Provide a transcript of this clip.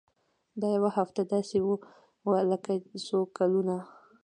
دا يوه هفته داسې وه لکه څو کلونه.